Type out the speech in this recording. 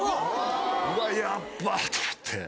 うわヤッバ！と思って。